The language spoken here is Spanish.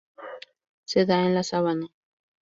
Se da en la sabana.